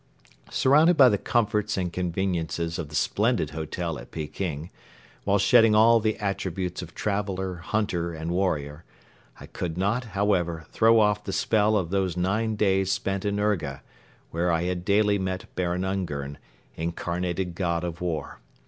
Surrounded by the comforts and conveniences of the splendid hotel at Peking, while shedding all the attributes of traveler, hunter and warrior, I could not, however, throw off the spell of those nine days spent in Urga, where I had daily met Baron Ungern, "Incarnated God of War."